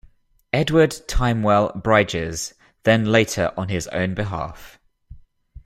Edward Tymewell Brydges, then later on his own behalf.